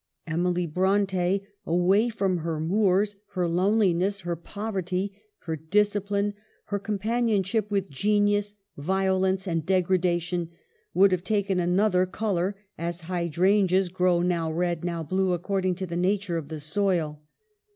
Emily Bronte away from her moors, her loneliness, her poverty, her discipline, her companionship with genius, violence, and degradation, would have taken another color, as hydrangeas grow now red, now blue, according to the nature of the soil.